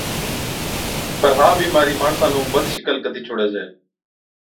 پر ها بِيمارِي ماڻسا نُون بد شڪل ڪتِي ڇوڙَي ڇَي۔